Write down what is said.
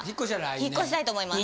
引越したいと思います。